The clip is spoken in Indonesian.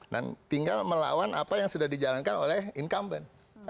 tinggal melawan apa yang sudah dijalankan oleh incumbent